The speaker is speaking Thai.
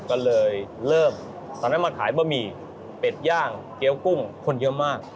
ก็เลยเริ่มตอนนั้นมาขายบะหมี่เป็ดย่างเกี้ยวกุ้งคนเยอะมาก